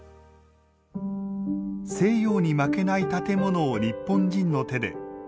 西洋に負けない建物を日本人の手で。